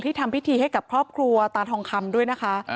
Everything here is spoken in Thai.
ทำพิธีให้กับครอบครัวตาทองคำด้วยนะคะ